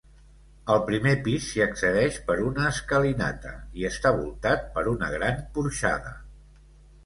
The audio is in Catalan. Al primer pis s'hi accedeix per una escalinata i està voltat per una gran porxada.